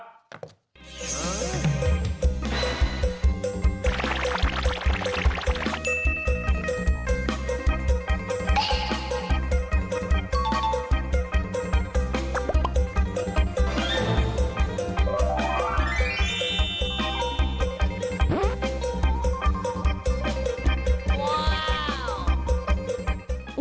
ว้าว